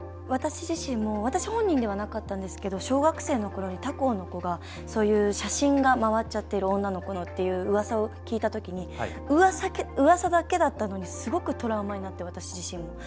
私自身も私本人ではなかったんですけど小学生のころに、他校の子がそういう写真が回っちゃってるとうわさを聞いたときにうわさだけだったのにすごくトラウマになって私自身も。